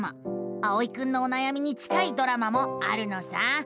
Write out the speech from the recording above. あおいくんのおなやみに近いドラマもあるのさ。